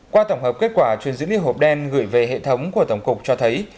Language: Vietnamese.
qua tổng hợp kết quả truyền dữ liệu hộp đen gửi về hệ thống của tổng cục cho thấy